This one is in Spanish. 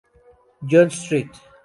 John, St.